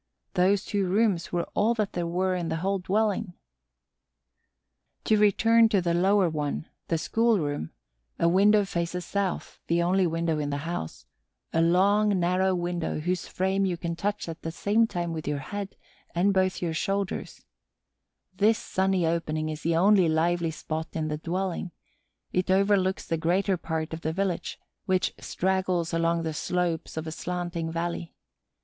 Those two rooms were all there were in the whole dwelling. [Illustration: "The fire was not exactly lit for us."] To return to the lower one, the schoolroom: a window faces south, the only window in the house, a low, narrow window whose frame you can touch at the same time with your head and both your shoulders. This sunny opening is the only lively spot in the dwelling; it overlooks the greater part of the village, which straggles along the slopes of a slanting valley.